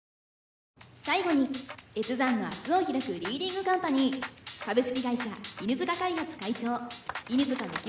最後に越山の明日をひらくリーディングカンパニー株式会社犬塚開発・会長犬塚樹生